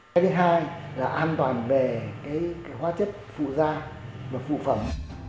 cái thứ hai là an toàn về hóa chất phụ da và phụ phẩm